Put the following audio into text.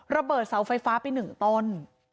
ระเบิดเสาไฟฟ้าไป๑ต้น